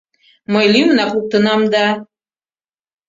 Мый лӱмынак луктынам да...